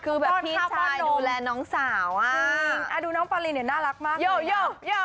คือแบบพี่ชายดูแลน้องสาวอ่ะคืออ่าดูน้องปลาลินเนี่ยน่ารักมากโยโยโย